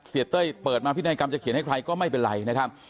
เต้ยเปิดมาพินัยกรรมจะเขียนให้ใครก็ไม่เป็นไรนะครับ